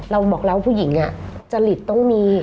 เราบอกแล้วผู้หญิงจริตต้องมี